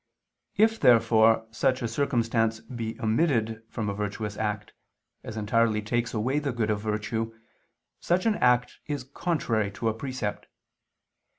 If therefore such a circumstance be omitted from a virtuous act, as entirely takes away the good of virtue, such an act is contrary to a precept.